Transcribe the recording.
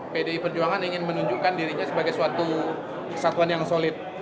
pdi perjuangan ingin menunjukkan dirinya sebagai suatu kesatuan yang solid